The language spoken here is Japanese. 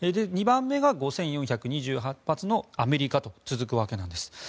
２番目が５４２８発のアメリカとなるわけです。